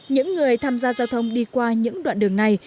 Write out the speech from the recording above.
những người tham gia giao thông đi qua những đoạn đường này